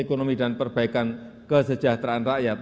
ekonomi dan perbaikan kesejahteraan rakyat